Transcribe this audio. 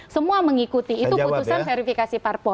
semua mengikuti itu putusan verifikasi parpol